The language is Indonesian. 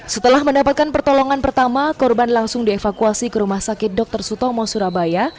setelah mendapatkan pertolongan pertama korban langsung dievakuasi ke rumah sakit dr sutomo surabaya